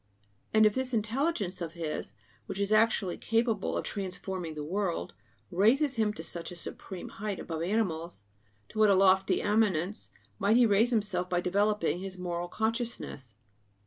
And if this intelligence of his, which is actually capable of transforming the world, raises him to such a supreme height above animals, to what a lofty eminence might he raise himself by developing his moral consciousness!